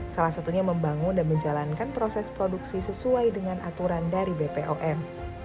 salah satunya membangun dan menjalankan proses produksi sesuai dengan aturan dari bpom